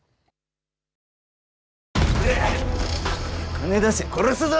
金出せ殺すぞ。